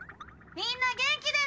みんな元気でね。